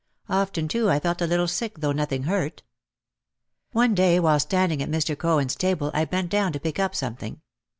Often too I felt a little sick though nothing hurt. One day while standing at Mr. Cohen's table I bent down to pick up something.